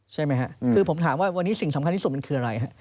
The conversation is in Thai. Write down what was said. ใช่ไหมครับคือผมถามว่าวันนี้สิ่งสำคัญที่สุดมันคืออะไรฮะ